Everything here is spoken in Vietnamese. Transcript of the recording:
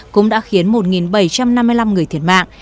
cũng đã khiến một bảy trăm năm mươi năm người thiệt mạng